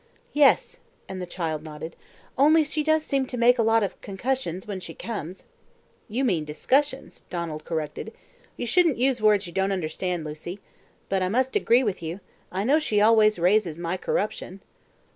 "Yes;" and the child nodded. "Only she does seem to make a lot of concussions when she comes." "You mean discussions," Donald corrected. "You shouldn't use words you don't understand, Lucy. But I must say I agree with you; I know she always raises my corruption."